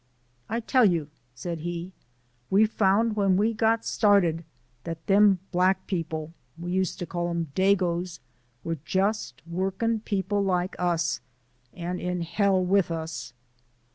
"I tell you," said he, "we found when we got started that them black people we used to call 'em dagoes were just workin' people like us and in hell with us.